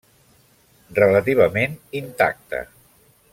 Relativament intacta.